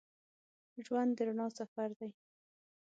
ژوند د رڼا سفر دی.